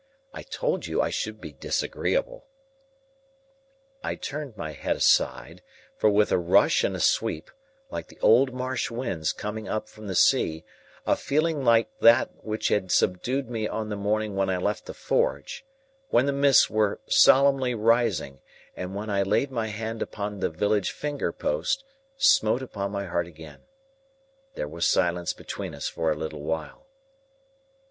—I told you I should be disagreeable." I turned my head aside, for, with a rush and a sweep, like the old marsh winds coming up from the sea, a feeling like that which had subdued me on the morning when I left the forge, when the mists were solemnly rising, and when I laid my hand upon the village finger post, smote upon my heart again. There was silence between us for a little while.